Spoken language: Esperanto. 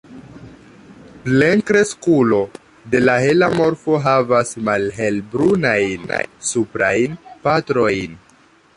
Plenkreskulo de la hela morfo havas malhelbrunajn suprajn partojn.